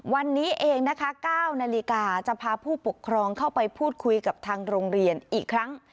วันนี้เองนะคะ๙นาฬิกาจะพาผู้ปกครองเข้าไปพูดคุยกับทางโรงเรียนอีกครั้ง